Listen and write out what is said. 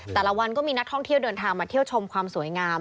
แต่ละวันก็มีนักท่องเที่ยวเดินทางมาเที่ยวชมความสวยงาม